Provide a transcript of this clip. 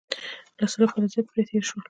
له سلو کالو زیات پرې تېر شول.